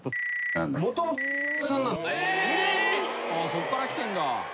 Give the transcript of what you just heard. そっからきてんだ。